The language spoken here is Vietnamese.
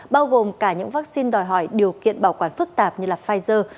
bao gồm cả những vaccine đòi hỏi điều kiện bảo quản phức tạp như là pfizer